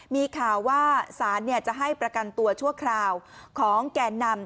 มีข่าวว่าสารจะให้ประกันตัวชั่วคราวของแก่นำ